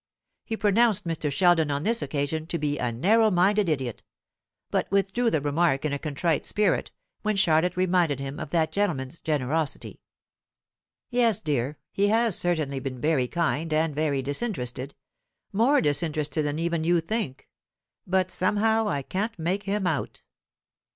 He pronounced Mr. Sheldon on this occasion to be a narrow minded idiot; but withdrew the remark in a contrite spirit when Charlotte reminded him of that gentleman's generosity. "Yes, dear, he has certainly been very kind and very disinterested more disinterested than even you think; but, somehow, I can't make him out."